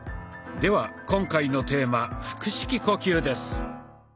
では今回のテーマ「腹式呼吸」です。